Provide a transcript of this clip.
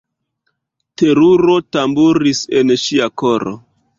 Teruro tamburis en ŝia koro.